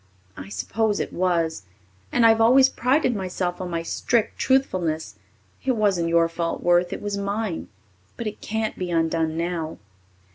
I suppose it was. And I've always prided myself on my strict truthfulness! It wasn't your fault, Worth! It was mine. But it can't be undone now."